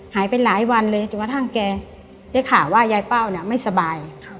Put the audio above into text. หายไปหลายวันเลยจนกระทั่งแกได้ข่าวว่ายายเป้าเนี่ยไม่สบาย